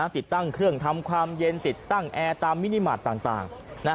ติดตั้งเครื่องทำความเย็นติดตั้งแอร์ตามมินิมาตรต่าง